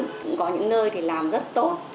cũng có những nơi làm rất tốt